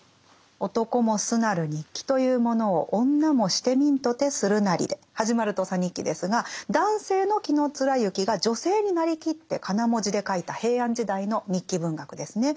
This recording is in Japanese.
「男もすなる日記といふものを女もしてみむとてするなり」で始まる「土佐日記」ですが男性の紀貫之が女性になりきって仮名文字で書いた平安時代の日記文学ですね。